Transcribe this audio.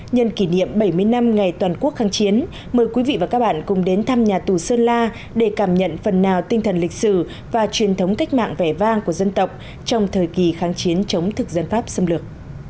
nhân kỷ niệm bảy mươi năm ngày toàn quốc kháng chiến mời quý vị và các bạn cùng đến thăm nhà tù sơn la để cảm nhận phần nào tinh thần lịch sử và truyền thống cách mạng vẻ vang của dân tộc trong thời kỳ kháng chiến chống thực dân pháp xâm lược